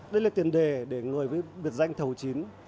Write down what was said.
đây là tiền đề để người biệt danh thầu chín